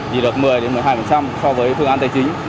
chỉ được một mươi một mươi hai so với phương án tài chính